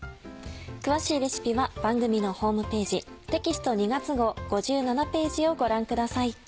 詳しいレシピは番組のホームページテキスト２月号５７ページをご覧ください。